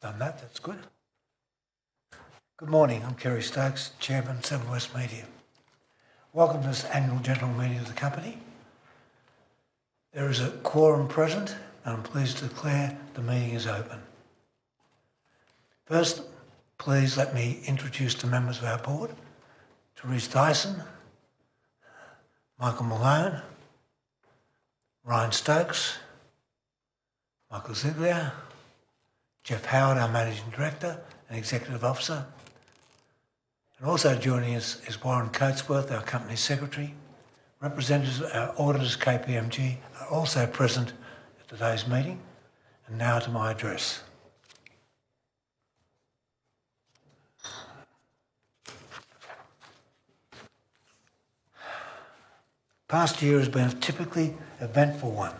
Done that, that's good. Good morning, I'm Kerry Stokes, Chairman of Seven West Media. Welcome to this Annual General Meeting of the company. There is a quorum present, and I'm pleased to declare the meeting is open. First, please let me introduce the members of our board: Teresa Dyson, Michael Malone, Ryan Stokes, Michael Ziegelaar, Jeff Howard, our Managing Director and Chief Executive Officer, and also joining us is Warren Coatsworth, our Company Secretary. Representatives of our auditors, KPMG, are also present at today's meeting. And now to my address. The past year has been a typically eventful one,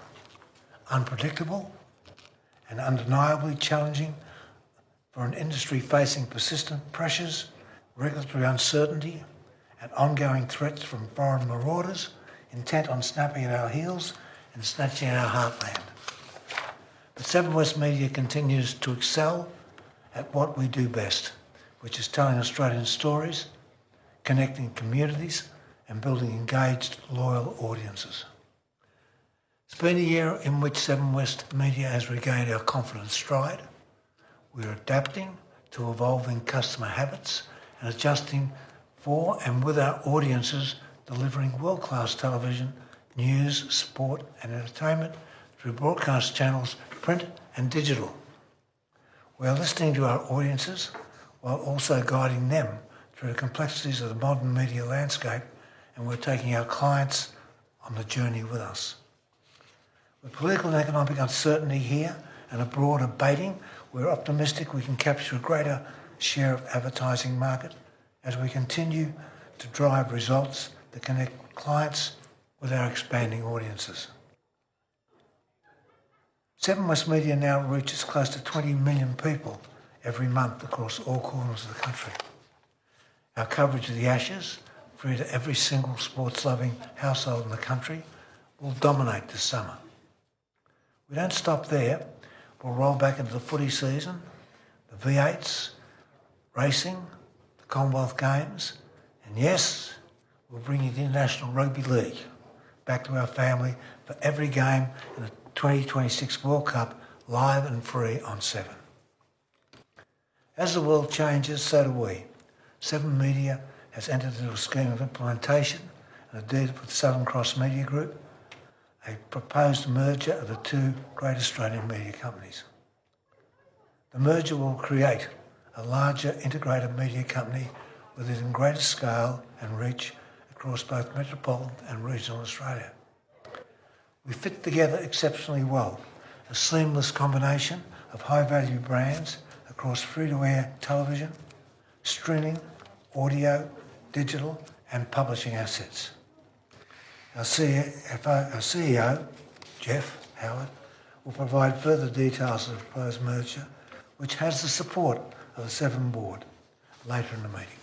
unpredictable and undeniably challenging for an industry facing persistent pressures, regulatory uncertainty, and ongoing threats from foreign marauders intent on snapping at our heels and snatching our heartland. But Seven West Media continues to excel at what we do best, which is telling Australian stories, connecting communities, and building engaged, loyal audiences. It's been a year in which Seven West Media has regained our confident stride. We're adapting to evolving customer habits and adjusting for and with our audiences, delivering world-class television, news, sport, and entertainment through broadcast channels, print, and digital. We're listening to our audiences while also guiding them through the complexities of the modern media landscape, and we're taking our clients on the journey with us. With political and economic uncertainty here and a broader abating, we're optimistic we can capture a greater share of advertising market as we continue to drive results that connect clients with our expanding audiences. Seven West Media now reaches close to 20 million people every month across all corners of the country. Our coverage of The Ashes, through to every single sports-loving household in the country, will dominate this summer. We don't stop there. We'll roll back into the footy season, the V8s, racing, the Commonwealth Games, and yes, we'll bring the International Rugby League back to our family for every game in the 2026 World Cup, live and free on Seven. As the world changes, so do we. Seven West Media has entered into a scheme of implementation and a deal with Southern Cross Media Group, a proposed merger of the two great Australian media companies. The merger will create a larger integrated media company with even greater scale and reach across both metropolitan and regional Australia. We fit together exceptionally well, a seamless combination of high-value brands across free-to-air television, streaming, audio, digital, and publishing assets. Our CEO, Jeff Howard, will provide further details of the proposed merger, which has the support of the Seven board, later in the meeting.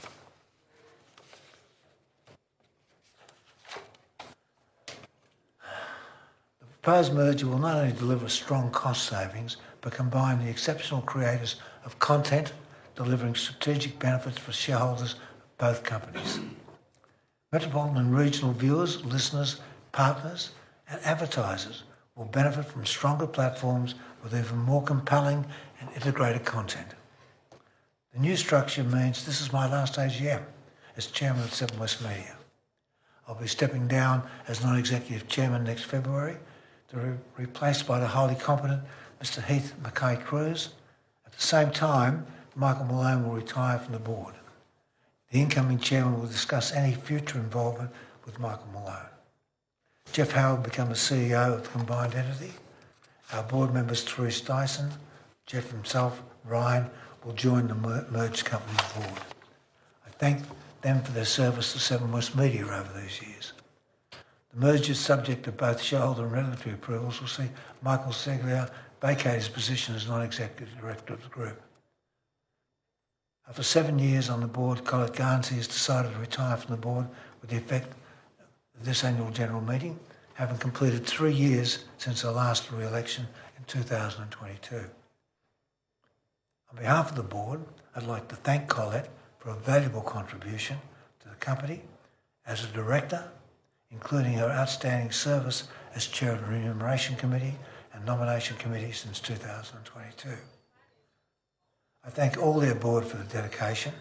The proposed merger will not only deliver strong cost savings but combine the exceptional creators of content, delivering strategic benefits for shareholders of both companies. Metropolitan and regional viewers, listeners, partners, and advertisers will benefit from stronger platforms with even more compelling and integrated content. The new structure means this is my last AGM as Chairman of Seven West Media. I'll be stepping down as Non-Executive Chairman next February, replaced by the highly competent Mr. Ryan Stokes. At the same time, Michael Malone will retire from the board. The incoming Chairman will discuss any future involvement with Michael Malone. Jeff Howard will become the CEO of the combined entity. Our board members, Teresa Dyson, Jeff himself, and Ryan will join the merged company board. I thank them for their service to Seven West Media over these years. The merger's subject to both shareholder and regulatory approvals. We'll see Michael Ziegelaar vacate his position as non-executive director of the group. After seven years on the board, Colette Garnsey has decided to retire from the board with the effect of this annual general meeting, having completed three years since her last re-election in 2022. On behalf of the board, I'd like to thank Colette for her valuable contribution to the company as a director, including her outstanding service as Chair of the Remuneration Committee and Nomination Committee since 2022. I thank all the board for the dedication.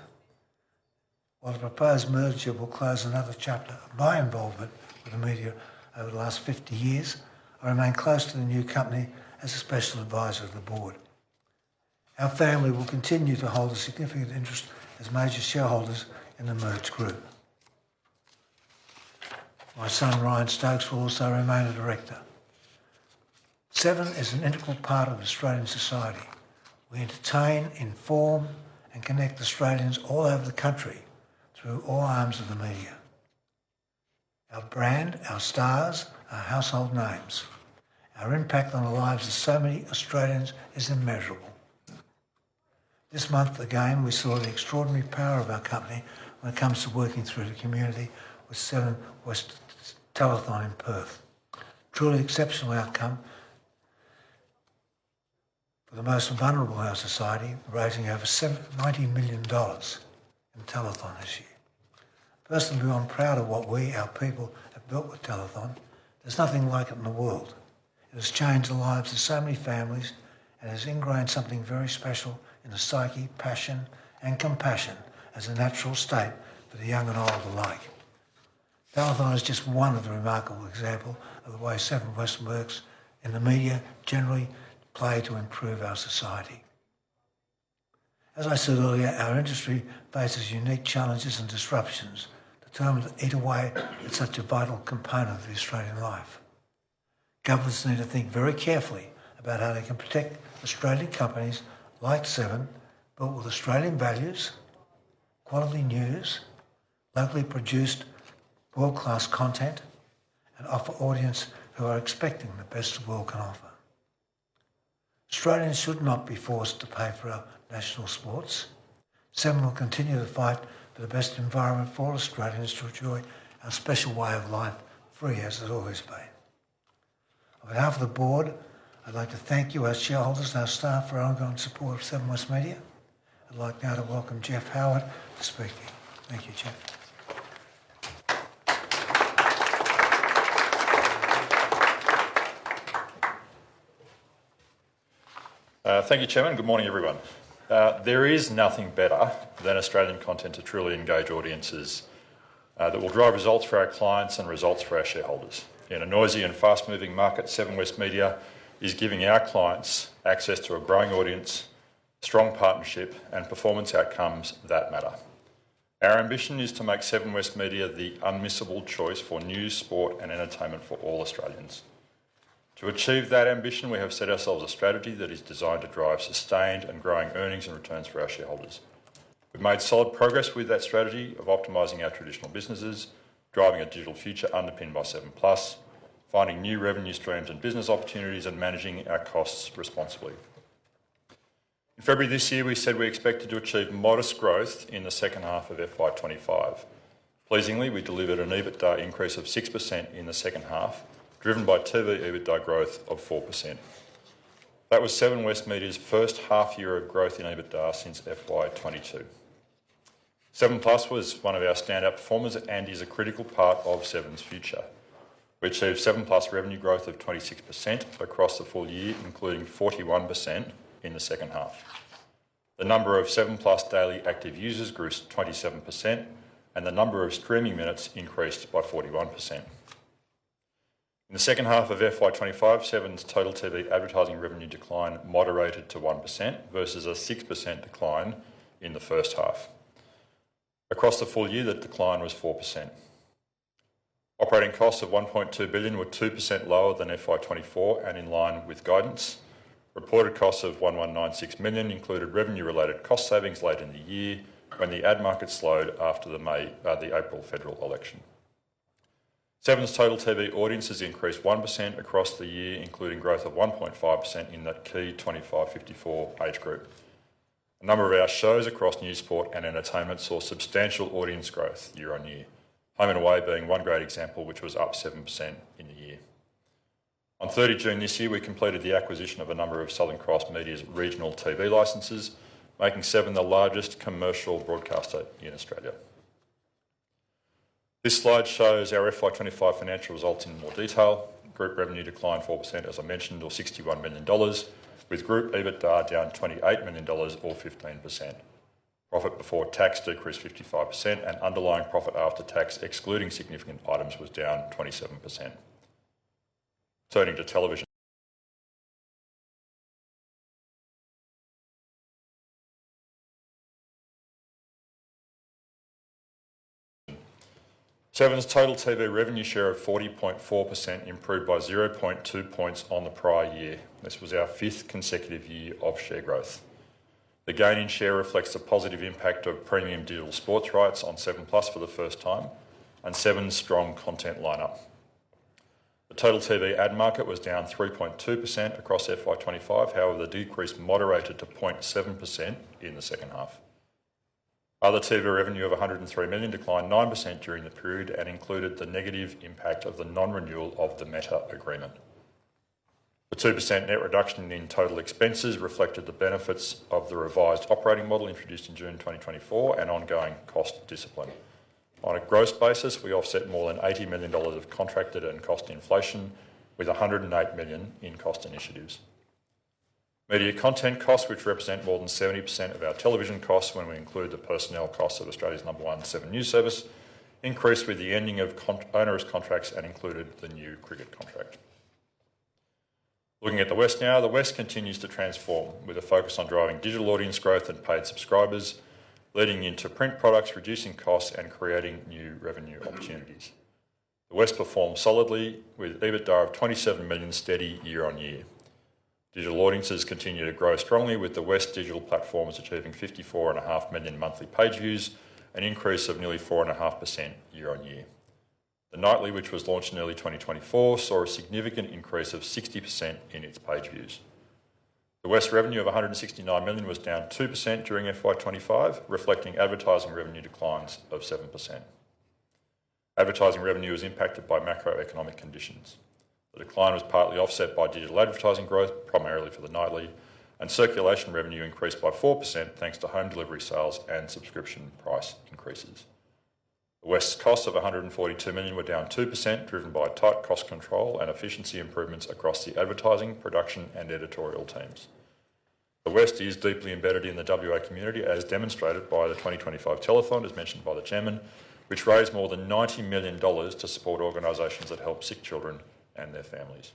While the proposed merger will close another chapter of my involvement with the media over the last 50 years, I remain close to the new company as a special advisor to the board. Our family will continue to hold a significant interest as major shareholders in the merged group. My son, Ryan Stokes, will also remain a director. Seven is an integral part of Australian society. We entertain, inform, and connect Australians all over the country through all arms of the media. Our brand, our stars, our household names. Our impact on the lives of so many Australians is immeasurable. This month, again, we saw the extraordinary power of our company when it comes to working through the community with Seven West Telethon in Perth. Truly exceptional outcome for the most vulnerable in our society, raising over 90 million dollars in telethon this year. Personally, I'm proud of what we, our people, have built with telethon. There's nothing like it in the world. It has changed the lives of so many families and has ingrained something very special in the psyche, passion, and compassion as a natural state for the young and old alike. Telethon is just one of the remarkable examples of the way Seven West works in the media generally to play to improve our society. As I said earlier, our industry faces unique challenges and disruptions determined to eat away at such a vital component of the Australian life. Governments need to think very carefully about how they can protect Australian companies like Seven built with Australian values, quality news, locally produced world-class content, and offer audiences who are expecting the best the world can offer. Australians should not be forced to pay for our national sports. Seven will continue to fight for the best environment for Australians to enjoy our special way of life free as it always been. On behalf of the board, I'd like to thank you, our shareholders, and our staff for our ongoing support of Seven West Media. I'd like now to welcome Jeff Howard to speak. Thank you, Jeff. Thank you, Chairman. Good morning, everyone. There is nothing better than Australian content to truly engage audiences that will drive results for our clients and results for our shareholders. In a noisy and fast-moving market, Seven West Media is giving our clients access to a growing audience, strong partnership, and performance outcomes that matter. Our ambition is to make Seven West Media the unmissable choice for news, sport, and entertainment for all Australians. To achieve that ambition, we have set ourselves a strategy that is designed to drive sustained and growing earnings and returns for our shareholders. We've made solid progress with that strategy of optimizing our traditional businesses, driving a digital future underpinned by 7plus, finding new revenue streams and business opportunities, and managing our costs responsibly. In February this year, we said we expected to achieve modest growth in the second half of FY25. Pleasingly, we delivered an EBITDA increase of 6% in the second half, driven by TV EBITDA growth of 4%. That was Seven West Media's first half-year of growth in EBITDA since FY22. 7plus was one of our standout performers, and is a critical part of Seven's future. We achieved 7plus revenue growth of 26% across the full year, including 41% in the second half. The number of 7plus daily active users grew 27%, and the number of streaming minutes increased by 41%. In the second half of FY25, Seven's total TV advertising revenue decline moderated to 1% versus a 6% decline in the first half. Across the full year, that decline was 4%. Operating costs of 1.2 billion were 2% lower than FY24 and in line with guidance. Reported costs of 1,196 million included revenue-related cost savings late in the year when the ad market slowed after the April federal election. Seven's total TV audiences increased 1% across the year, including growth of 1.5% in that key 25-54 age group. A number of our shows across news, sport, and entertainment saw substantial audience growth year on year, Home and Away being one great example, which was up 7% in the year. On 30 June this year, we completed the acquisition of a number of Southern Cross Media's regional TV licenses, making Seven the largest commercial broadcaster in Australia. This slide shows our FY25 financial results in more detail. Group revenue declined 4%, as I mentioned, or 61 million dollars, with group EBITDA down 28 million dollars, or 15%. Profit before tax decreased 55%, and underlying profit after tax, excluding significant items, was down 27%. Turning to television, Seven's total TV revenue share of 40.4% improved by 0.2 points on the prior year. This was our fifth consecutive year of share growth. The gain in share reflects the positive impact of premium digital sports rights on Seven Plus for the first time and Seven's strong content lineup. The total TV ad market was down 3.2% across FY25. However, the decrease moderated to 0.7% in the second half. Other TV revenue of 103 million declined 9% during the period and included the negative impact of the non-renewal of the Meta agreement. The 2% net reduction in total expenses reflected the benefits of the revised operating model introduced in June 2024 and ongoing cost discipline. On a gross basis, we offset more than 80 million dollars of contracted and cost inflation with 108 million in cost initiatives. Media content costs, which represent more than 70% of our television costs when we include the personnel costs of Australia's number one Seven News service, increased with the ending of onerous contracts and included the new cricket contract. Looking at The West now, The West continues to transform with a focus on driving digital audience growth and paid subscribers, leading into print products, reducing costs, and creating new revenue opportunities. The West performed solidly with EBITDA of 27 million steady year on year. Digital audiences continue to grow strongly, with The West digital platforms achieving 54.5 million monthly page views, an increase of nearly 4.5% year on year. The Nightly, which was launched in early 2024, saw a significant increase of 60% in its page views. The West revenue of AUD 169 million was down 2% during FY25, reflecting advertising revenue declines of 7%. Advertising revenue was impacted by macroeconomic conditions. The decline was partly offset by digital advertising growth, primarily for The Nightly, and circulation revenue increased by 4% thanks to home delivery sales and subscription price increases. The West's costs of 142 million were down 2%, driven by tight cost control and efficiency improvements across the advertising, production, and editorial teams. The West is deeply embedded in the WA community, as demonstrated by the 2025 telethon, as mentioned by the Chairman, which raised more than 90 million dollars to support organizations that help sick children and their families.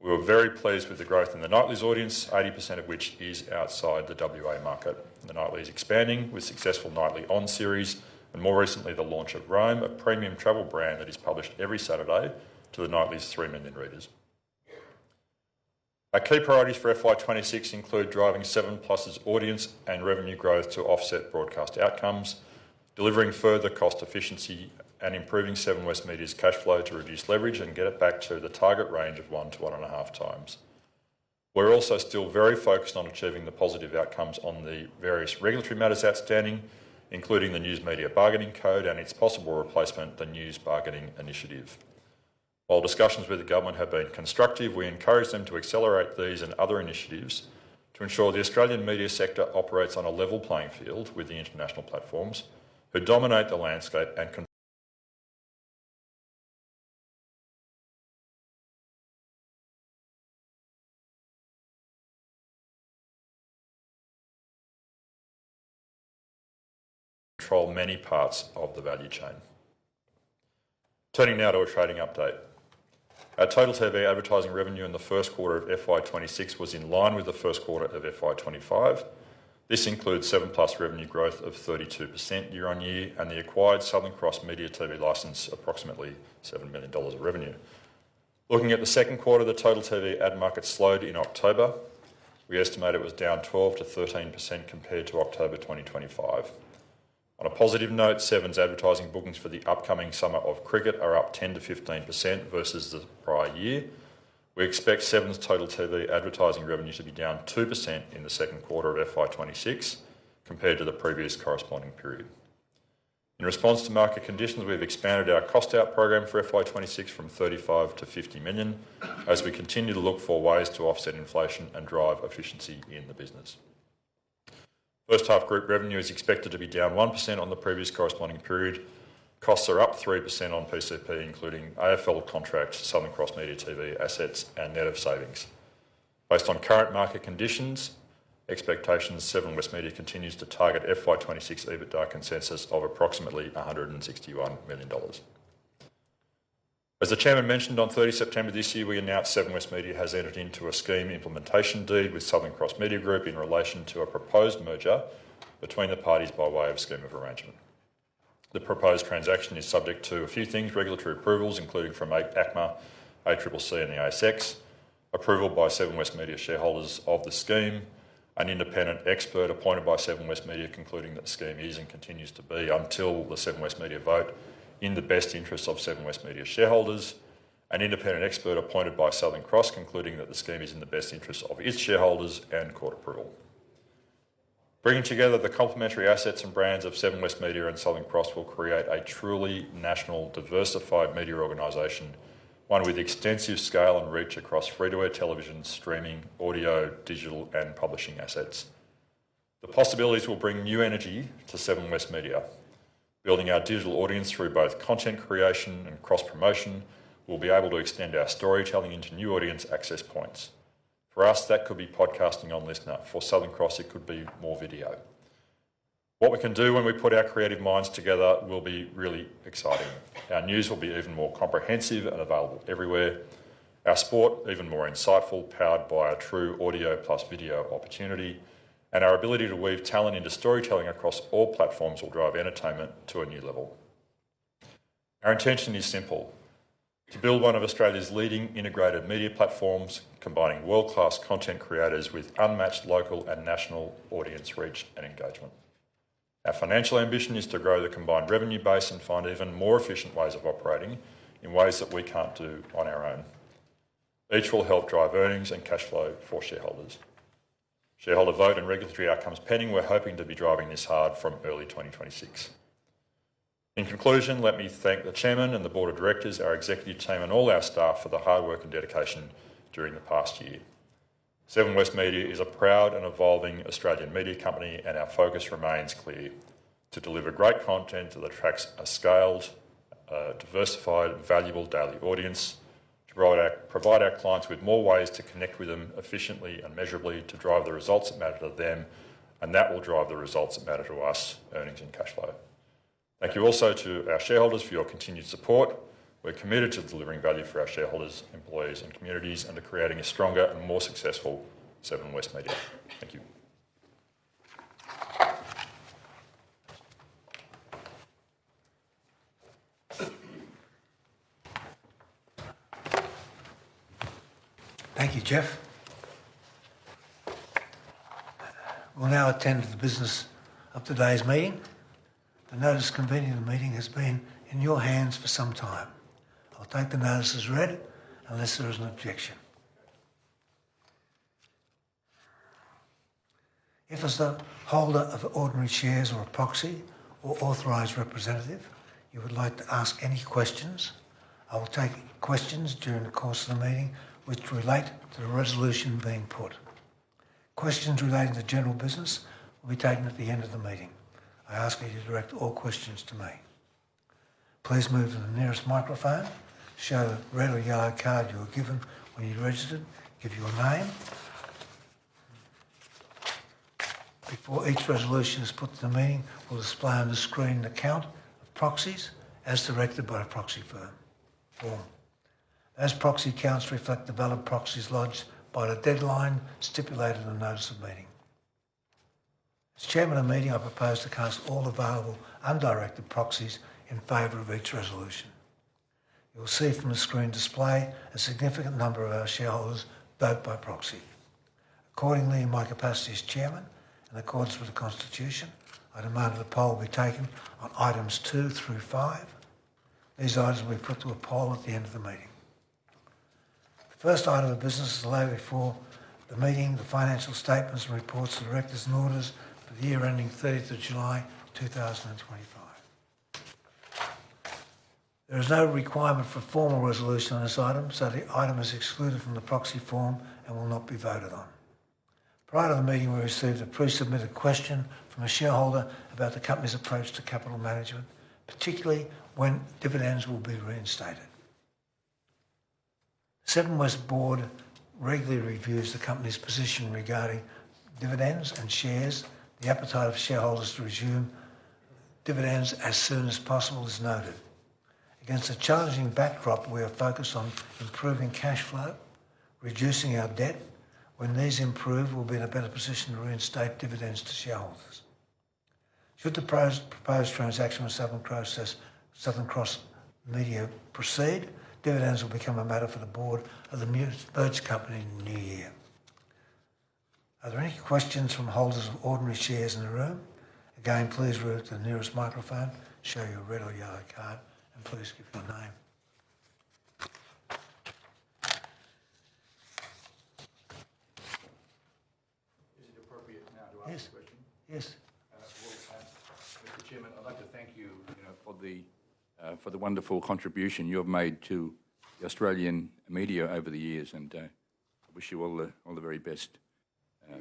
We were very pleased with the growth in the nighty's audience, 80% of which is outside the WA market. The Nightly is expanding with successful Nightly On series and, more recently, the launch of Rome, a premium travel brand that is published every Saturday to The Nighty's Three million readers. Our key priorities for FY26 include driving 7plus's audience and revenue growth to offset broadcast outcomes, delivering further cost efficiency, and improving Seven West Media's cash flow to reduce leverage and get it back to the target range of one to one and a half times. We're also still very focused on achieving the positive outcomes on the various regulatory matters outstanding, including the News Media Bargaining Code and its possible replacement, the news bargaining initiative. While discussions with the government have been constructive, we encourage them to accelerate these and other initiatives to ensure the Australian media sector operates on a level playing field with the international platforms who dominate the landscape and control many parts of the value chain. Turning now to a trading update. Our total TV advertising revenue in the Q1 of FY26 was in line with the Q1 of FY25. This includes 7plus revenue growth of 32% year on year and the acquired Southern Cross Media TV license, approximately 7 million dollars of revenue. Looking at the Q2, the total TV ad market slowed in October. We estimate it was down 12%-13% compared to October 2025. On a positive note, Seven's advertising bookings for the upcoming summer of cricket are up 10%-15% versus the prior year. We expect Seven's total TV advertising revenue to be down 2% in the Q2 of FY26 compared to the previous corresponding period. In response to market conditions, we've expanded our cost-out program for FY26 from 35 million-50 million as we continue to look for ways to offset inflation and drive efficiency in the business. First half group revenue is expected to be down 1% on the previous corresponding period. Costs are up 3% on PCP, including AFL contract, Southern Cross Media TV assets, and net of savings. Based on current market conditions, expectations Seven West Media continues to target FY26 EBITDA consensus of approximately 161 million dollars. As the Chairman mentioned, on 30 September this year, we announced Seven West Media has entered into a scheme implementation deed with Southern Cross Media Group in relation to a proposed merger between the parties by way of scheme of arrangement. The proposed transaction is subject to a few things: regulatory approvals, including from ACMA, ACCC, and the ASX, approval by Seven West Media shareholders of the scheme, an independent expert appointed by Seven West Media concluding that the scheme is and continues to be until the Seven West Media vote in the best interest of Seven West Media shareholders, an independent expert appointed by Southern Cross concluding that the scheme is in the best interest of its shareholders and court approval. Bringing together the complementary assets and brands of Seven West Media and Southern Cross will create a truly national, diversified media organization, one with extensive scale and reach across free-to-air television, streaming, audio, digital, and publishing assets. The possibilities will bring new energy to Seven West Media. Building our digital audience through both content creation and cross-promotion, we'll be able to extend our storytelling into new audience access points. For us, that could be podcasting on LiSTNR. For Southern Cross, it could be more video. What we can do when we put our creative minds together will be really exciting. Our news will be even more comprehensive and available everywhere. Our sport, even more insightful, powered by a true audio plus video opportunity, and our ability to weave talent into storytelling across all platforms will drive entertainment to a new level. Our intention is simple: to build one of Australia's leading integrated media platforms, combining world-class content creators with unmatched local and national audience reach and engagement. Our financial ambition is to grow the combined revenue base and find even more efficient ways of operating in ways that we can't do on our own. Each will help drive earnings and cash flow for shareholders. Shareholder vote and regulatory outcomes pending. We're hoping to be driving this hard from early 2026. In conclusion, let me thank the Chairman and the Board of Directors, our executive team, and all our staff for the hard work and dedication during the past year. Seven West Media is a proud and evolving Australian media company, and our focus remains clear: to deliver great content that attracts a scaled, diversified, valuable daily audience, to provide our clients with more ways to connect with them efficiently and measurably to drive the results that matter to them, and that will drive the results that matter to us: earnings and cash flow. Thank you also to our shareholders for your continued support. We're committed to delivering value for our shareholders, employees, and communities, and to creating a stronger and more successful Seven West Media. Thank you. Thank you, Jeff. We'll now attend to the business of today's meeting. The notice convening the meeting has been in your hands for some time. I'll take the notice as read unless there is an objection. If, as the holder of ordinary shares or a proxy or authorized representative, you would like to ask any questions, I will take questions during the course of the meeting which relate to the resolution being put. Questions relating to general business will be taken at the end of the meeting. I ask you to direct all questions to me. Please move to the nearest microphone, show the red or yellow card you were given when you registered, give your name. Before each resolution is put to the meeting, we'll display on the screen the count of proxies as directed by the proxy firm. The proxy counts reflect the valid proxies lodged by the deadline stipulated in the notice of meeting. As Chairman of the meeting, I propose to cast all available undirected proxies in favor of each resolution. You'll see from the screen display a significant number of our shareholders vote by proxy. Accordingly, in my capacity as Chairman, in accordance with the Constitution, I demand that the poll be taken on items two through five. These items will be put to a poll at the end of the meeting. The first item of business is to lay on the table the financial statements and reports of the directors and auditors for the year ending 30 June 2023. There is no requirement for formal resolution on this item, so the item is excluded from the proxy form and will not be voted on. Prior to the meeting, we received a pre-submitted question from a shareholder about the company's approach to capital management, particularly when dividends will be reinstated. Seven West Media Board regularly reviews the company's position regarding dividends and shares. The appetite of shareholders to resume dividends as soon as possible is noted. Against a challenging backdrop, we are focused on improving cash flow, reducing our debt. When these improve, we'll be in a better position to reinstate dividends to shareholders. Should the proposed transaction with Southern Cross Media proceed, dividends will become a matter for the board of the merged company in the new year. Are there any questions from holders of ordinary shares in the room? Again, please move to the nearest microphone, show your red or yellow card, and please give your name. Is it appropriate now to ask the question? Yes. Mr. Chairman, I'd like to thank you for the wonderful contribution you have made to the Australian media over the years, and I wish you all the very best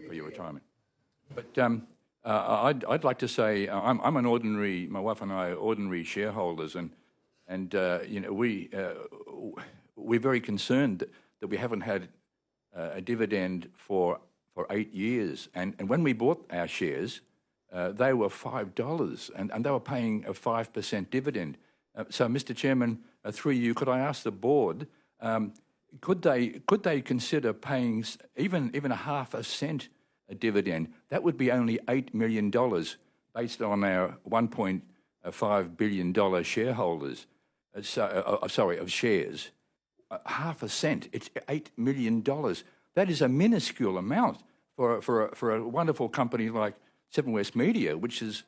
for your retirement. But I'd like to say I'm an ordinary, my wife and I are ordinary shareholders, and we're very concerned that we haven't had a dividend for eight years. And when we bought our shares, they were 5 dollars, and they were paying a 5% dividend. So, Mr. Chairman, through you, could I ask the board, could they consider paying even AUD 0.005 dividend? That would be only 8 million dollars based on our 1.5 billion dollar shareholders. Sorry, of shares. AUD 0.005, it's 8 million dollars. That is a minuscule amount for a wonderful company like Seven West Media, which is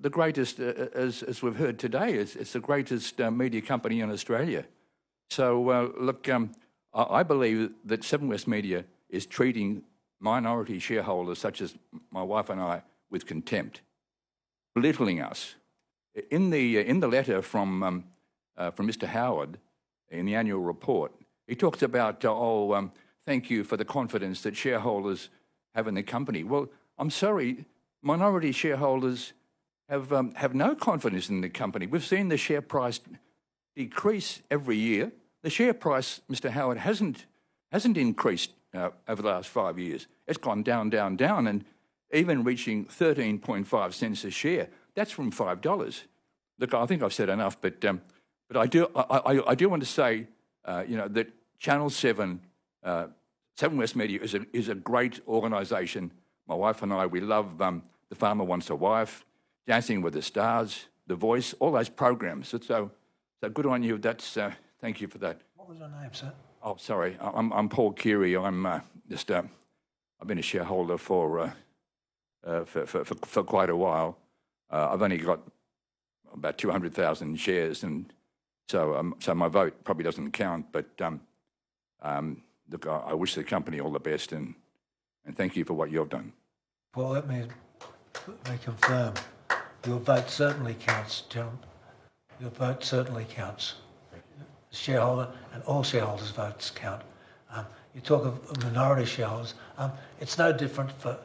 the greatest, as we've heard today, it's the greatest media company in Australia. So, look, I believe that Seven West Media is treating minority shareholders such as my wife and I with contempt, belittling us. In the letter from Mr. Howard in the annual report, he talks about, "Oh, thank you for the confidence that shareholders have in the company." Well, I'm sorry, minority shareholders have no confidence in the company. We've seen the share price decrease every year. The share price, Mr. Howard, hasn't increased over the last five years. It's gone down, down, down, and even reaching 0.135 a share. That's from 5 dollars. Look, I think I've said enough, but I do want to say that channel Seven, Seven West Media is a great organization. My wife and I, we love The Farmer Wants a Wife, Dancing with the Stars, The Voice, all those programs. So good on you. Thank you for that. What was your name, sir? Oh, sorry. I'm Paul Carey. I've been a shareholder for quite a while. I've only got about 200,000 shares, and so my vote probably doesn't count. But look, I wish the company all the best, and thank you for what you've done. Paul, let me confirm. Your vote certainly counts, gentlemen. Your vote certainly counts. Shareholder and all shareholders' votes count. You talk of minority shareholders. It's no different for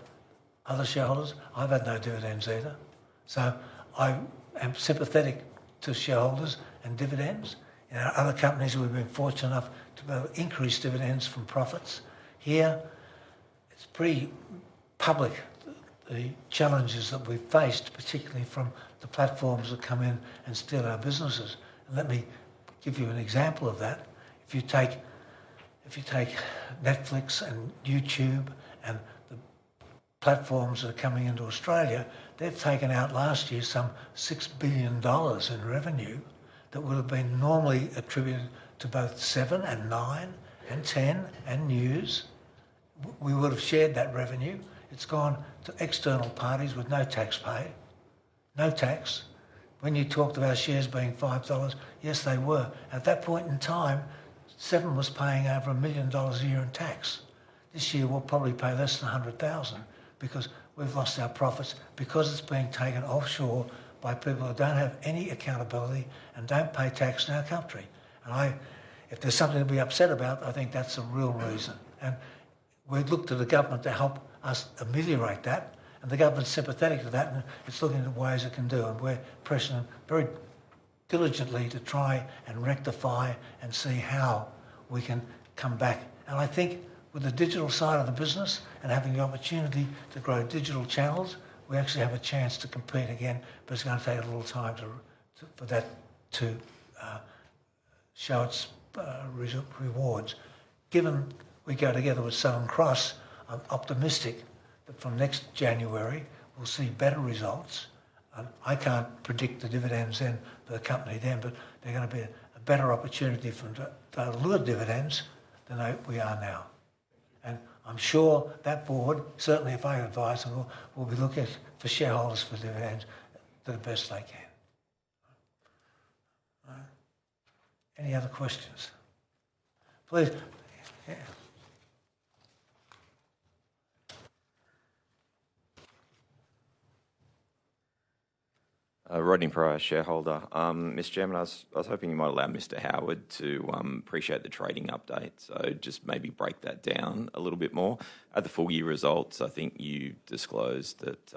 other shareholders. I've had no dividends either. So I am sympathetic to shareholders and dividends. In our other companies, we've been fortunate enough to increase dividends from profits. Here, it's pretty public, the challenges that we've faced, particularly from the platforms that come in and steal our businesses. Let me give you an example of that. If you take Netflix and YouTube and the platforms that are coming into Australia, they've taken out last year some 6 billion dollars in revenue that would have been normally attributed to both Seven and Nine and Ten and News. We would have shared that revenue. It's gone to external parties with no taxpayer, no tax. When you talked of our shares being 5 dollars, yes, they were. At that point in time, Seven was paying over 1 million dollars a year in tax. This year, we'll probably pay less than 100,000 because we've lost our profits because it's being taken offshore by people who don't have any accountability and don't pay tax in our country. And if there's something to be upset about, I think that's a real reason. We've looked to the government to help us ameliorate that, and the government's sympathetic to that, and it's looking at ways it can do. We're pressuring very diligently to try and rectify and see how we can come back. And I think with the digital side of the business and having the opportunity to grow digital channels, we actually have a chance to compete again, but it's going to take a little time for that to show its rewards. Given we go together with Southern Cross, I'm optimistic that from next January, we'll see better results. I can't predict the dividends in for the company then, but there's going to be a better opportunity for the dividends than we are now. And I'm sure that board, certainly if I advise, will be looking for shareholders for dividends the best they can. Any other questions? Please. Writing for our shareholder. Mr. Chairman, I was hoping you might allow Mr. Howard to elaborate on the trading update, so just maybe break that down a little bit more. At the full year results, I think you disclosed that,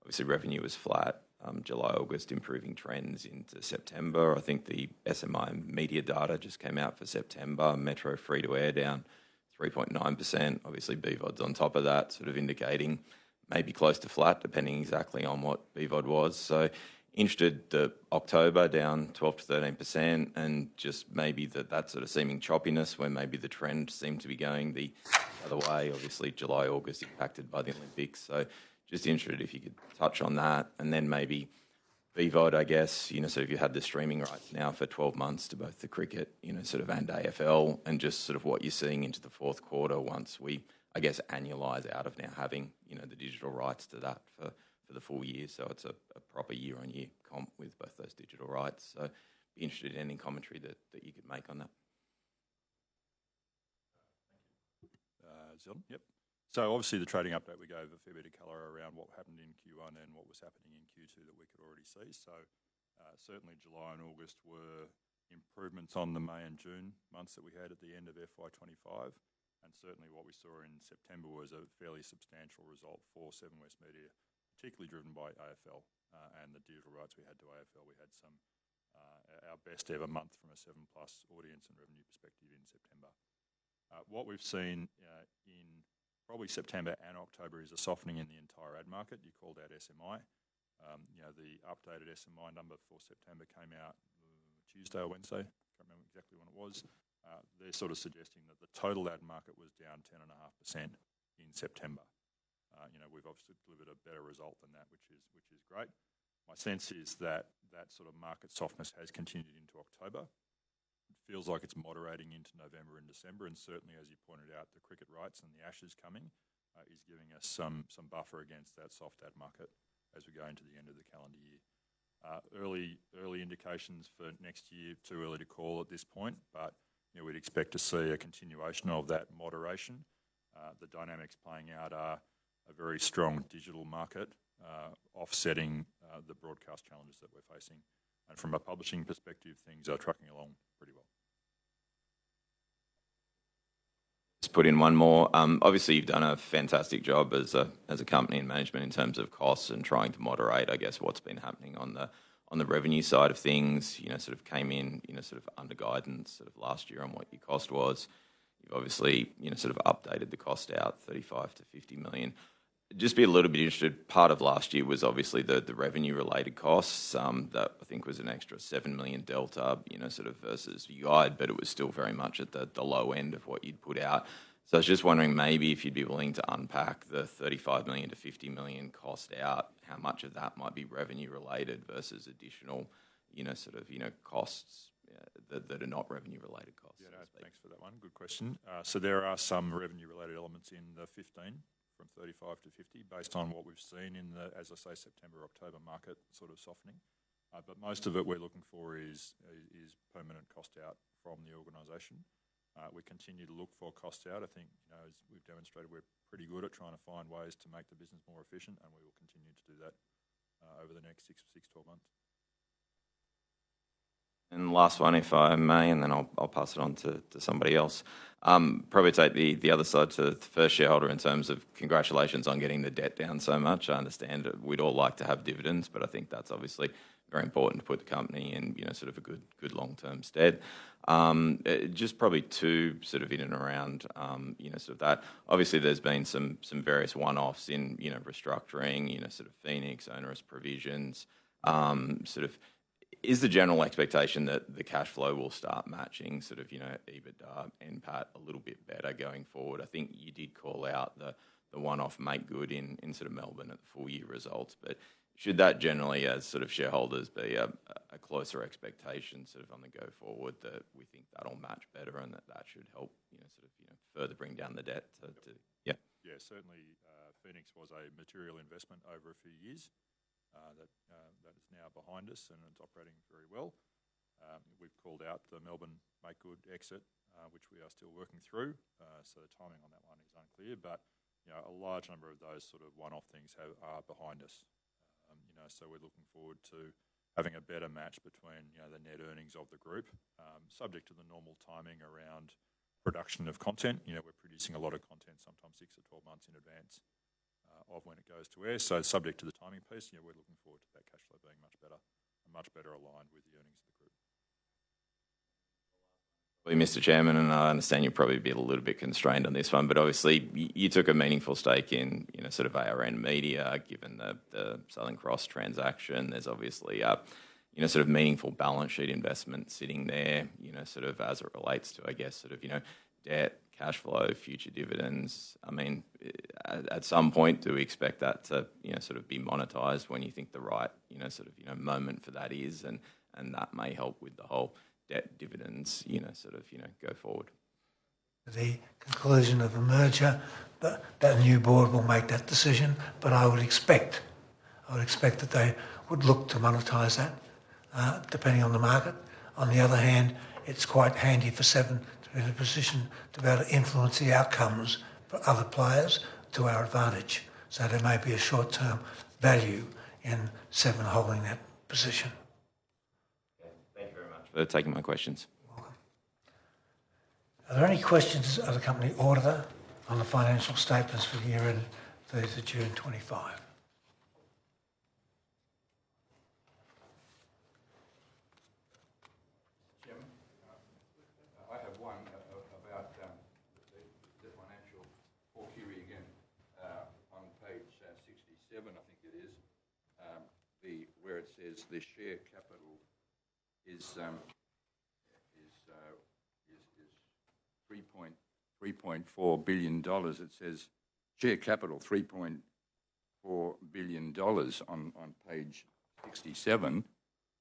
obviously, revenue was flat, July, August, improving trends into September. I think the SMI media data just came out for September. Metro free-to-air down 3.9%. Obviously, BVOD's on top of that, sort of indicating maybe close to flat, depending exactly on what BVOD was. So interested, October down 12%-13%, and just maybe that sort of seeming choppiness where maybe the trend seemed to be going the other way. Obviously, July, August impacted by the Olympics. So just interested if you could touch on that. And then maybe BVOD, I guess, so if you had the streaming rights now for 12 months to both the cricket, sort of, and AFL, and just sort of what you're seeing into the Q4 once we, I guess, annualize out of now having the digital rights to that for the full year. So it's a proper year-on-year comp with both those digital rights. So interested in any commentary that you could make on that? Thank you. Obviously, the trading update, we gave a fair bit of color around what happened in Q1 and what was happening in Q2 that we could already see. Certainly, July and August were improvements on the May and June months that we had at the end of FY 2025. Certainly, what we saw in September was a fairly substantial result for Seven West Media, particularly driven by AFL and the digital rights we had to AFL. We had our best ever month from a Seven Plus audience and revenue perspective in September. What we've seen in probably September and October is a softening in the entire ad market. You called out SMI. The updated SMI number for September came out Tuesday or Wednesday. Can't remember exactly when it was. They're sort of suggesting that the total ad market was down 10.5% in September. We've obviously delivered a better result than that, which is great. My sense is that that sort of market softness has continued into October. It feels like it's moderating into November and December. And certainly, as you pointed out, the cricket rights and The Ashes coming is giving us some buffer against that soft ad market as we go into the end of the calendar year. Early indications for next year, too early to call at this point, but we'd expect to see a continuation of that moderation. The dynamics playing out are a very strong digital market offsetting the broadcast challenges that we're facing. And from a publishing perspective, things are trucking along pretty well. Just put in one more. Obviously, you've done a fantastic job as a company in management in terms of costs and trying to moderate, I guess, what's been happening on the revenue side of things. You sort of came in sort of under guidance sort of last year on what your cost was. You've obviously sort of updated the cost out, 35 million-50 million. Just be a little bit interested. Part of last year was obviously the revenue-related costs that I think was an extra seven million delta sort of versus your guide, but it was still very much at the low end of what you'd put out. So I was just wondering maybe if you'd be willing to unpack the 35 million-50 million cost out, how much of that might be revenue-related versus additional sort of costs that are not revenue-related costs. Yeah, thanks for that one. Good question. So there are some revenue-related elements in the 15 from 35 to 50 based on what we've seen in the, as I say, September, October market sort of softening. But most of it we're looking for is permanent cost out from the organization. We continue to look for cost out. I think we've demonstrated we're pretty good at trying to find ways to make the business more efficient, and we will continue to do that over the next six to 12 months. And last one, if I may, and then I'll pass it on to somebody else. Probably take the other side to the first shareholder in terms of congratulations on getting the debt down so much. I understand we'd all like to have dividends, but I think that's obviously very important to put the company in sort of a good long-term stead. Just probably two sort of in and around sort of that. Obviously, there's been some various one-offs in restructuring, sort of Phoenix onerous provisions. Sort of, is the general expectation that the cash flow will start matching sort of EBITDA and PAT a little bit better going forward? I think you did call out the one-off make good in sort of Melbourne at the full year results. But should that generally, as sort of shareholders, be a closer expectation sort of on the go forward that we think that'll match better and that that should help sort of further bring down the debt to? Yeah, certainly, Phoenix was a material investment over a few years that is now behind us, and it's operating very well. We've called out the Melbourne make good exit, which we are still working through. So the timing on that one is unclear, but a large number of those sort of one-off things are behind us. So we're looking forward to having a better match between the net earnings of the group, subject to the normal timing around production of content. We're producing a lot of content sometimes six to 12 months in advance of when it goes to air. So subject to the timing piece, we're looking forward to that cash flow being much better and much better aligned with the earnings of the group. Probably, Mr. Chairman, and I understand you'll probably be a little bit constrained on this one, but obviously, you took a meaningful stake in sort of ARN Media given the Southern Cross transaction. There's obviously sort of meaningful balance sheet investment sitting there sort of as it relates to, I guess, sort of debt, cash flow, future dividends. I mean, at some point, do we expect that to sort of be monetized when you think the right sort of moment for that is? And that may help with the whole debt-dividends sort of go forward. The conclusion of a merger, but that new board will make that decision. But I would expect that they would look to monetize that depending on the market. On the other hand, it's quite handy for Seven to be in a position to be able to influence the outcomes for other players to our advantage. So there may be a short-term value in Seven holding that position. Thank you very much for taking my questions. You're welcome. Are there any questions of the company auditor on the financial statements for the year ended 30 June 2024? Mr. Chairman, I have one about the financials. Paul Carey again on page 67, I think it is, where it says the share capital is AUD 3.4 billion. It says share capital 3.4 billion dollars on page 67,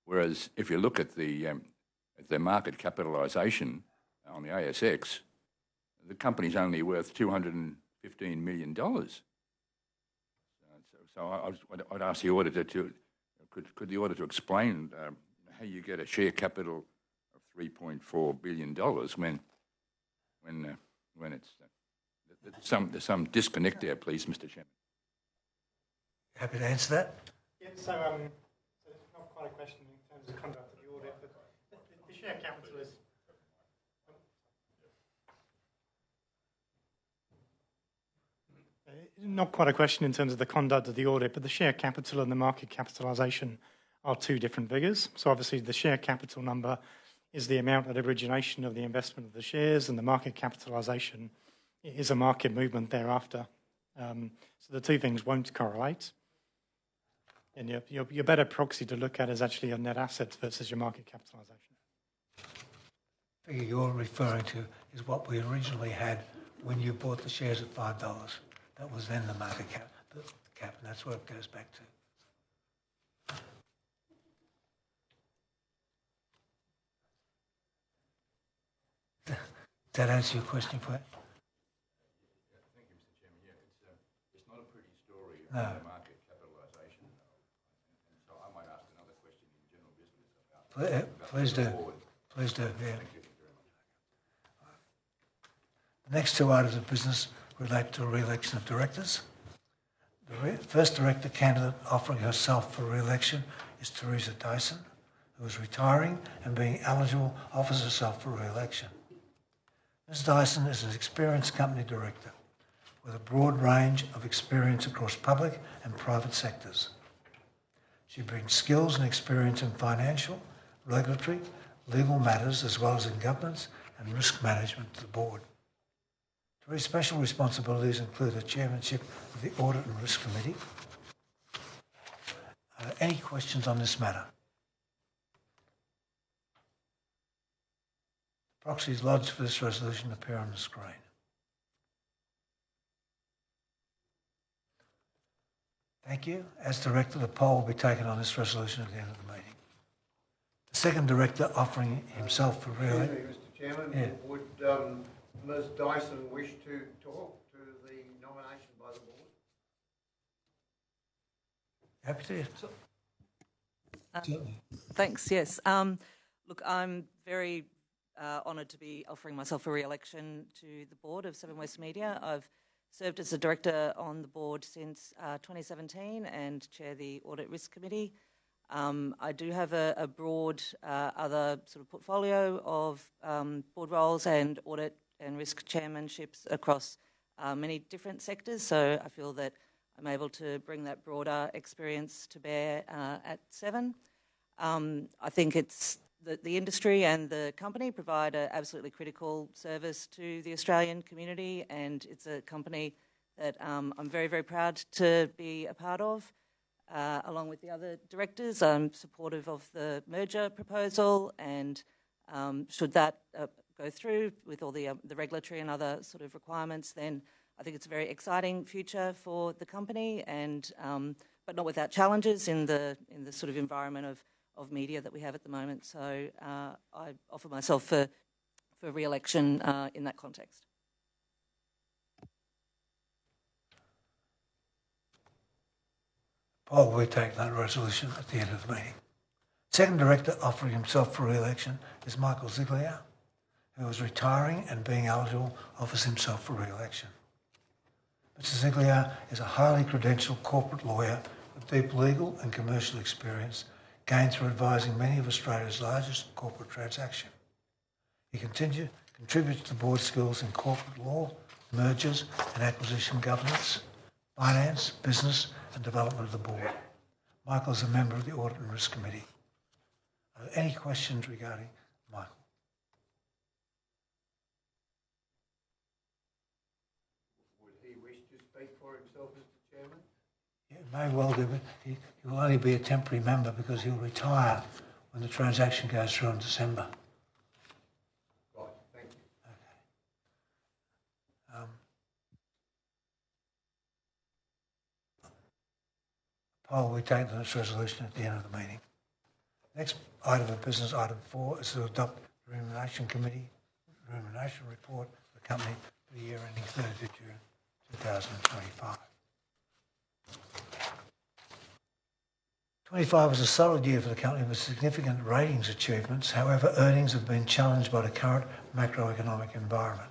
whereas if you look at the market capitalization on the ASX, the company's only worth AUD 215 million. So I'd ask the auditor, could the auditor explain how you get a share capital of 3.4 billion dollars when it's some disconnect there, please, Mr. Chairman? Happy to answer that. Yes. So it's not quite a question in terms of the audit, but the share capital is. Not quite a question in terms of the conduct of the audit, but the share capital and the market capitalization are two different figures. So obviously, the share capital number is the amount at origination of the investment of the shares, and the market capitalization is a market movement thereafter. So the two things won't correlate, and your better proxy to look at is actually your net assets versus your market capitalization. thing you're referring to is what we originally had when you bought the shares at 5 dollars. That was then the market capitalization. That's where it goes back to. Did that answer your question? Thank you, Mr. Chairman. Yeah, it's not a pretty story on the market capitalization. And so I might ask another question in general business about the board. Please do. Please do. Thank you very much. The next two items of business relate to a re-election of directors. The first director candidate offering herself for re-election is Teresa Dyson, who is retiring and being eligible, offers herself for re-election. Ms. Dyson is an experienced company director with a broad range of experience across public and private sectors. She brings skills and experience in financial, regulatory, legal matters, as well as in governance and risk management to the board. Teresa's special responsibilities include the Chairmanship of the Audit and Risk Committee. Any questions on this matter? The proxies lodged for this resolution appear on the screen. Thank you. As director, the poll will be taken on this resolution at the end of the meeting. The second director offering himself for re-election. Mr. Chairman, would Ms. Dyson wish to talk to the nomination by the board? Happy to. Thanks. Yes. Look, I'm very honored to be offering myself for re-election to the board of Seven West Media. I've served as a director on the board since 2017 and Chair the Audit Risk Committee. I do have a broad other sort of portfolio of board roles and audit and risk chairmanships across many different sectors. So I feel that I'm able to bring that broader experience to bear at Seven. I think it's the industry and the company provide an absolutely critical service to the Australian community, and it's a company that I'm very, very proud to be a part of. Along with the other directors, I'm supportive of the merger proposal. And should that go through with all the regulatory and other sort of requirements, then I think it's a very exciting future for the company, but not without challenges in the sort of environment of media that we have at the moment. So I offer myself for re-election in that context. Paul will be taking that resolution at the end of the meeting. The second director offering himself for re-election is Michael Ziegelaar, who is retiring and being eligible, offers himself for re-election. Mr. Ziegelaar is a highly credentialed corporate lawyer with deep legal and commercial experience gained through advising many of Australia's largest corporate transactions. He contributes to the board's skills in corporate law, mergers and acquisition governance, finance, business, and development of the board. Michael is a member of the Audit and Risk Committee. Any questions regarding Michael? Would he wish to speak for himself, Mr. Chairman? He may well do, but he will only be a temporary member because he'll retire when the transaction goes through in December. Right. Thank you. Okay. Paul will be taking this resolution at the end of the meeting. Next item of business, item four, is the remuneration report for the company for the year ending 30th of June 2025. 25 was a solid year for the company with significant ratings achievements. However, earnings have been challenged by the current macroeconomic environment.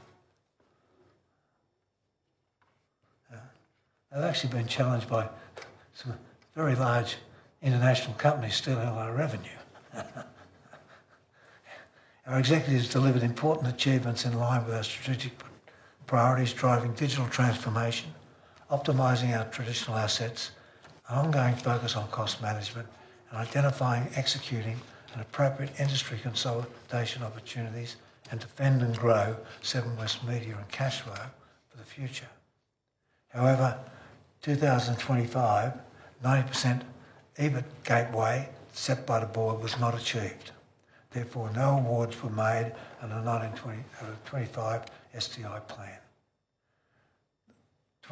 They've actually been challenged by some very large international companies stealing a lot of revenue. Our executives delivered important achievements in line with our strategic priorities, driving digital transformation, optimizing our traditional assets, an ongoing focus on cost management, and identifying and executing an appropriate industry consolidation opportunities and defend and grow Seven West Media and cash flow for the future. However, 2025, 90% EBIT gateway set by the board was not achieved. Therefore, no awards were made under the 2025 STI plan.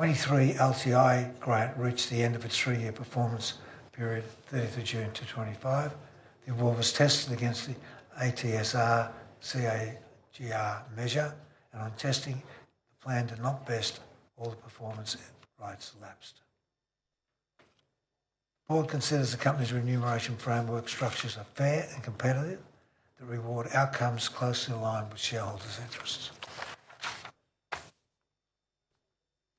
2023 LTI grant reached the end of its three-year performance period, 30th of June to 2025. The award was tested against the ATSR CAGR measure, and on testing, the plan did not vest all the performance and rights lapsed. The board considers the company's remuneration framework structures are fair and competitive. The reward outcomes closely align with shareholders' interests.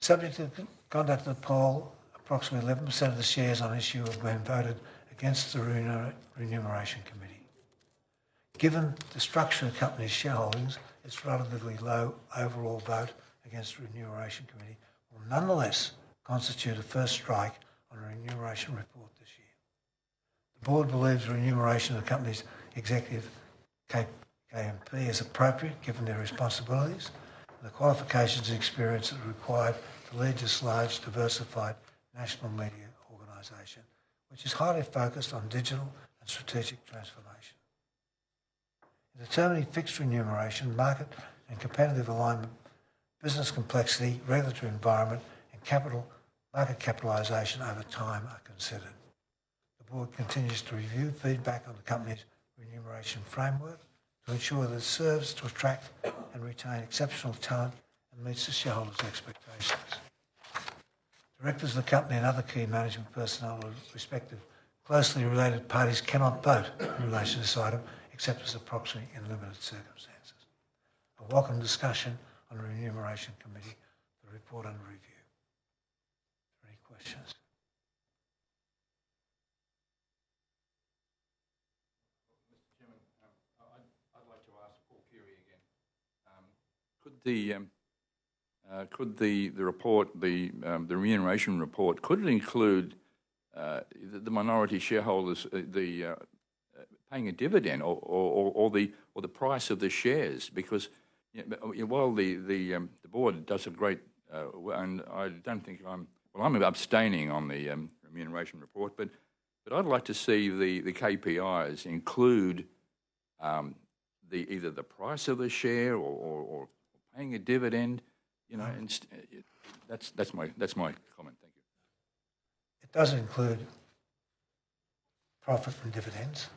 Subject to the conduct of the poll, approximately 11% of the shares on issue have been voted against the remuneration report. Given the structure of the company's shareholdings, its relatively low overall vote against the remuneration report will nonetheless constitute a first strike on a remuneration report this year. The board believes the remuneration of the company's executive KMP is appropriate given their responsibilities and the qualifications and experience that are required to lead this large, diversified national media organization, which is highly focused on digital and strategic transformation. In determining fixed remuneration, market and competitive alignment, business complexity, regulatory environment, and market capitalization over time are considered. The board continues to review feedback on the company's remuneration framework to ensure that it serves to attract and retain exceptional talent and meets the shareholders' expectations. Directors of the company and other key management personnel with respective closely related parties cannot vote in relation to this item except as a proxy in limited circumstances. We welcome discussion on the remuneration committee report under review. Any questions? Mr. Chairman, I'd like to ask Paul Carey again. Could the report, the remuneration report, could it include the minority shareholders paying a dividend or the price of the shares? Because while the board does a great and I don't think I'm well, I'm abstaining on the remuneration report, but I'd like to see the KPIs include either the price of the share or paying a dividend. That's my comment. Thank you. It doesn't include profit from dividends.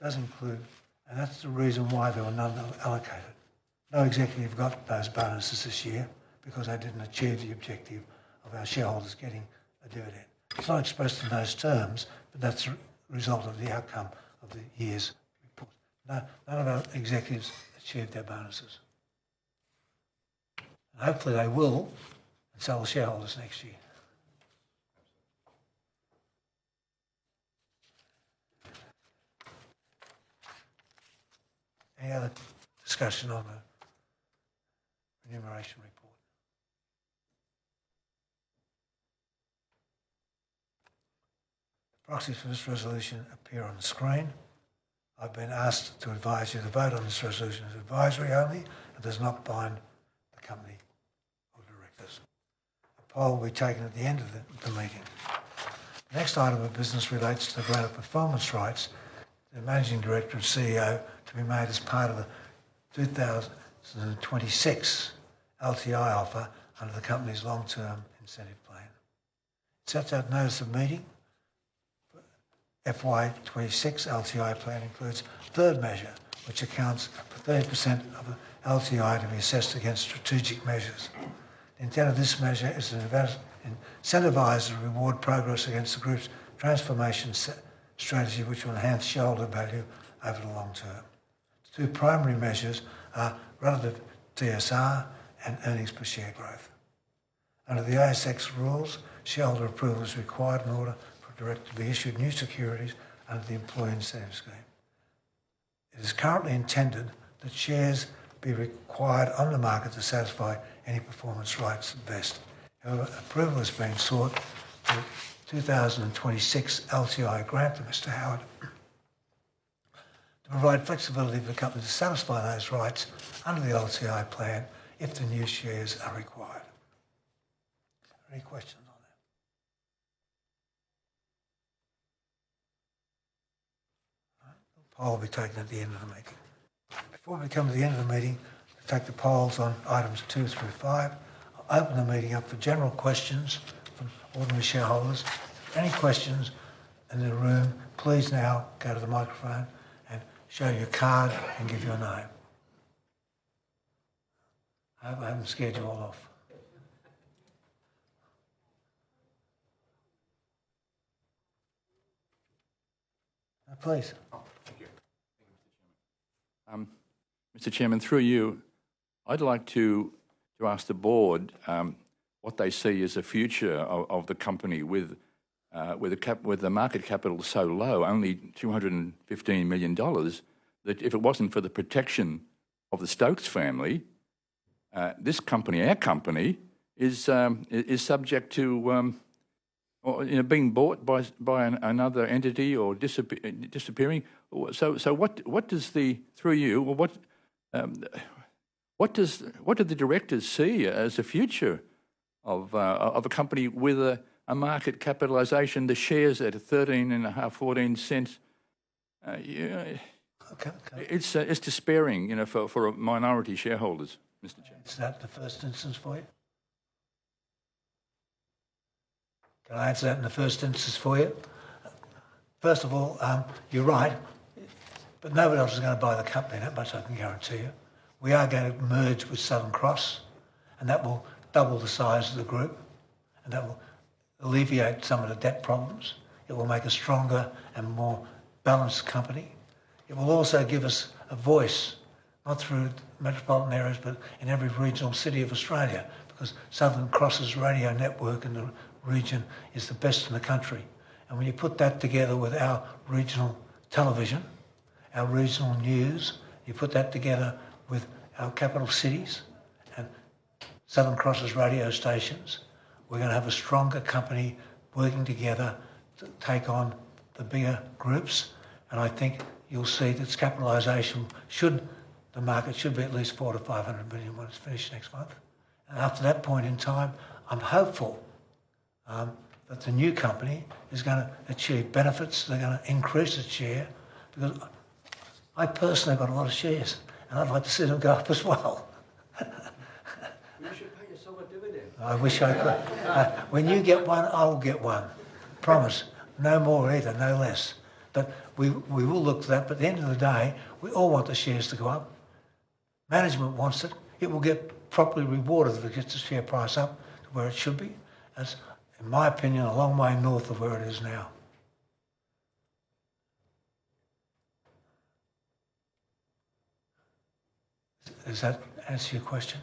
It doesn't include, and that's the reason why there were none that were allocated. No executive got those bonuses this year because they didn't achieve the objective of our shareholders getting a dividend. It's not expressed in those terms, but that's a result of the outcome of the year's report. None of our executives achieved their bonuses. Hopefully, they will and serve the shareholders next year. Any other discussion on the remuneration report? Proxies for this resolution appear on the screen. I've been asked to advise you to vote on this resolution as advisory only. It does not bind the company or the directors. A poll will be taken at the end of the meeting. The next item of business relates to the grant of performance rights to the Managing Director and CEO to be made as part of the 2026 LTI offer under the company's long-term incentive plan. It sets out notice of meeting. FY 26 LTI plan includes a third measure, which accounts for 30% of LTI to be assessed against strategic measures. The intent of this measure is to incentivize and reward progress against the group's transformation strategy, which will enhance shareholder value over the long term. The two primary measures are relative to TSR and earnings per share growth. Under the ASX rules, shareholder approval is required in order for directors to be issued new securities under the employee incentive scheme. It is currently intended that shares be acquired on the market to satisfy any performance rights that vest. However, approval is being sought for the 2026 LTI grant to Mr. Howard to provide flexibility for the company to satisfy those rights under the LTI plan if the new shares are required. Any questions on that? All right. A poll will be taken at the end of the meeting. Before we come to the end of the meeting, I'll take the polls on items two through five. I'll open the meeting up for general questions from ordinary shareholders. If there are any questions in the room, please now go to the microphone and show your card and give your name. I haven't scheduled you all off. Please. Thank you. Thank you, Mr. Chairman. Mr. Chairman, through you, I'd like to ask the board what they see as the future of the company with the market capitalization so low, only 215 million dollars, that if it wasn't for the protection of the Stokes family, this company, our company, is subject to being bought by another entity or disappearing. So through you, what do the directors see as the future of a company with a market capitalization, the shares at 0.135-0.14? It's despairing for minority shareholders, Mr. Chairman. Is that the first instance for you? Can I answer that in the first instance for you? First of all, you're right, but nobody else is going to buy the company, that much I can guarantee you. We are going to merge with Southern Cross, and that will double the size of the group, and that will alleviate some of the debt problems. It will make a stronger and more balanced company. It will also give us a voice, not through metropolitan areas, but in every regional city of Australia, because Southern Cross's radio network in the region is the best in the country, and when you put that together with our regional television, our regional news, you put that together with our capital cities and Southern Cross's radio stations, we're going to have a stronger company working together to take on the bigger groups. I think you'll see that its capitalization, the market should be at least 400-500 million when it's finished next month. After that point in time, I'm hopeful that the new company is going to achieve benefits. They're going to increase its share because I personally got a lot of shares, and I'd like to see them go up as well. You should pay yourself a dividend. I wish I could. When you get one, I'll get one. Promise. No more either, no less. But we will look to that. But at the end of the day, we all want the shares to go up. Management wants it. It will get properly rewarded if it gets its share price up to where it should be. That's, in my opinion, a long way north of where it is now. Does that answer your question?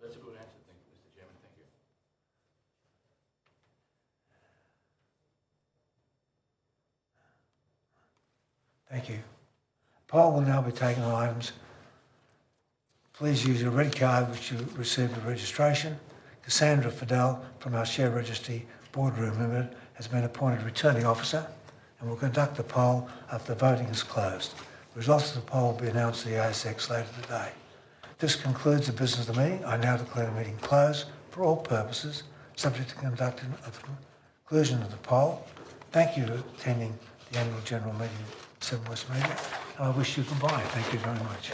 That's a good answer. Thank you, Mr. Chairman. Thank you. Thank you. Paul will now be taking our items. Please use your red card, which you received at registration. Cassandra Fidel from our share registry Boardroom unit has been appointed returning officer and will conduct the poll after the voting has closed. The results of the poll will be announced to the ASX later today. This concludes the business of the meeting. I now declare the meeting closed for all purposes, subject to the conclusion of the poll. Thank you for attending the Annual General Meeting of Seven West Media, and I wish you goodbye. Thank you very much.